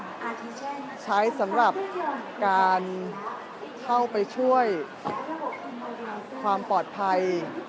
อาจจะใช้สำหรับการเข้าไปช่วยความปลอดภัย